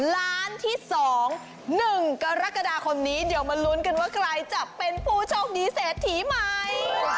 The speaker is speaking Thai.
ล้านที่๒๑กรกฎาคมนี้เดี๋ยวมาลุ้นกันว่าใครจะเป็นผู้โชคดีเศรษฐีใหม่